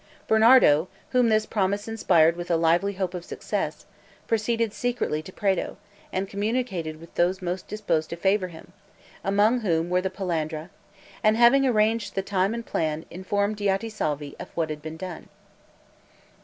Bernardo, whom this promise inspired with a lively hope of success, proceeded secretly to Prato, and communicated with those most disposed to favor him, among whom were the Palandra; and having arranged the time and plan, informed Diotisalvi of what had been done.